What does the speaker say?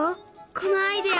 このアイデア。